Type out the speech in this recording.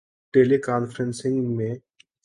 ٹیلی conferencing م